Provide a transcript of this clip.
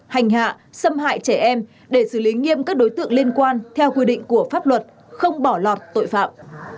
hành hạ xâm hại trẻ em để xử lý nghiêm các đối tượng liên quan theo quy định của pháp luật không bỏ lọt tội phạm